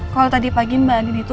kalau tadi pagi mbak dini itu